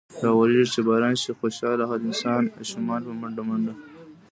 راورېږي چې باران۔ شي خوشحاله هر انسان ـ اشومان په منډه منډه ـ